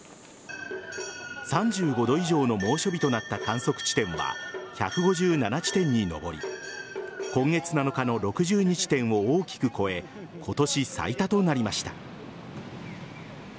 ３５度以上の猛暑日となった観測地点は１５７地点に上り今月７日の６２地点を大きく超え今年最多となりました。